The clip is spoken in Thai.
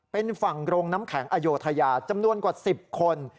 เป็นฝั่งโรงน้ำแข็งอโยธยาจำนวนกว่า๑๐คน